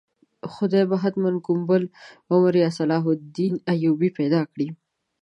خدای به حتماً کوم بل عمر یا صلاح الدین ایوبي پیدا کړي.